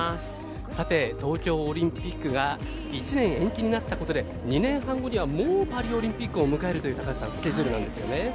東京オリンピックが１年延期になったことで２年半後にはもうパリオリンピックを迎えるという高橋さんスケジュールなんですよね。